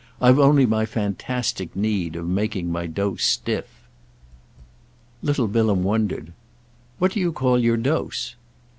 I've only my fantastic need of making my dose stiff." Little Bilham wondered. "What do you call your dose?"